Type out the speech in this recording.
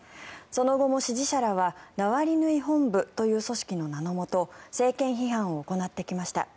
その後も支持者らはナワリヌイ本部という組織の名のもと政権批判を行ってきました。